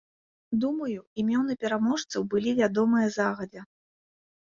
Думаю, імёны пераможцаў былі вядомыя загадзя.